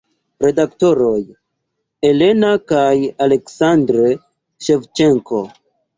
Redaktoroj: Elena kaj Aleksandr Ŝevĉenko.